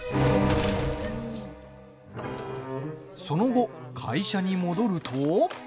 その後、会社に戻ると。